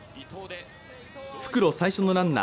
復路最初のランナー